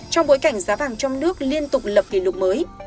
trong bối cảnh giá vàng trong nước liên tục lập kỷ lục mới